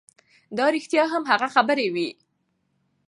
دا رښتیا هم هغه خبرې وې